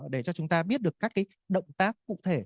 để cho chúng ta biết được các cái động tác cụ thể